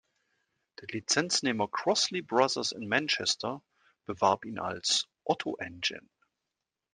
Der Lizenznehmer Crossley Brothers in Manchester bewarb ihn als "Otto Engine".